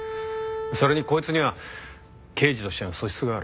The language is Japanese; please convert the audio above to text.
それにこいつには刑事としての素質がある。